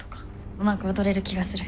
うまく踊れる気がする。